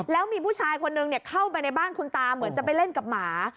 แล้วมีผู้ชายคนนึงเข้าไปในบ้านคุณตาเหมือนจะไปเล่นกับหมา